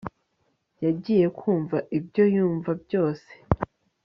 yagiye kumva ibyo yumva byose